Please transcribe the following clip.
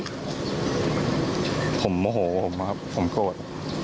อารมณ์ผมโมโหผมครับผมโกรธ